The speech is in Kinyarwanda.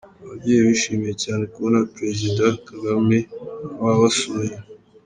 Ababyeyi bishimiye cyane kubona Perezida Kagame wabasuye.